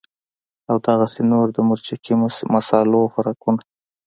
او دغسې نور د مرچکي مصالو خوراکونه